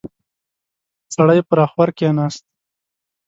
سړی پر اخور کېناست.